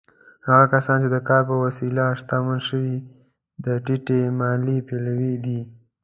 هغه کسان چې د کار په وسیله شتمن شوي، د ټیټې مالیې پلوي دي.